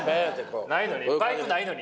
ないのに？